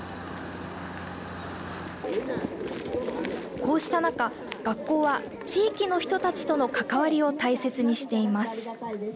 こうした中、学校は地域の人たちとの関わりを大切にしています。